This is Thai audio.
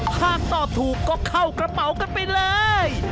หากตอบถูกก็เข้ากระเป๋ากันไปเลย